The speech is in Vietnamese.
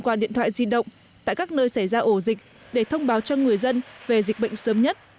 qua điện thoại di động tại các nơi xảy ra ổ dịch để thông báo cho người dân về dịch bệnh sớm nhất